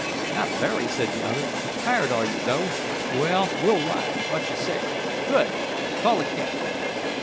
"Not very," said the other, "Tired, are you, though? Well, we'll ride—whatcha say? Good! Call a cab!"